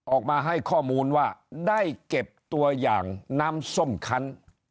ออกมาให้ข้อมูลว่าได้เก็บตัวอย่างน้ำส้มคัน